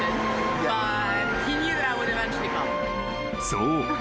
［そう。